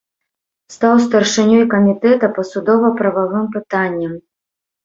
Стаў старшынёй камітэта па судова-прававым пытанням.